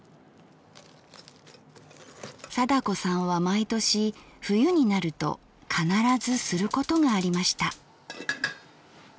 貞子さんは毎年冬になると必ずすることがありました。